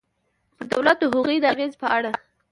پر دولت د هغوی د اغېزې په اړه.